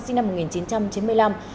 sinh năm một nghìn chín trăm chín mươi năm